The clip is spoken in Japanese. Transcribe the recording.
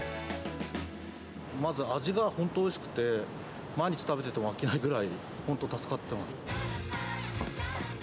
まず味が本当おいしくて、毎日食べてても飽きないくらい、本当、助かってます。